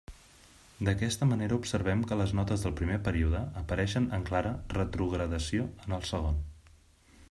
D'aquesta manera observem que les notes del primer període apareixen en clara retrogradació en el segon.